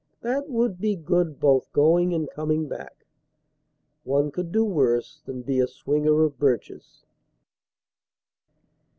That would be good both going and coming back. One could do worse than be a swinger of birches.